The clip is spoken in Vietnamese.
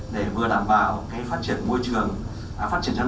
để vừa đảm bảo phát triển chăn nuôi theo hướng bền vững